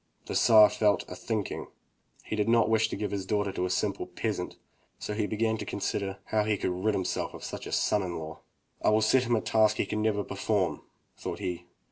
The Tsar fell a thinking. He did not wish to give his daughter to a simple peasant, so he began to consider how he could rid himself of such a son in law. "I will set him a task he caii never perform," thought he.